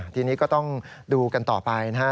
ทีนี้ก็ต้องดูกันต่อไปนะฮะ